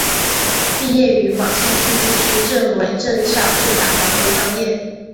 毕业于广西自治区党委党校党政管理专业。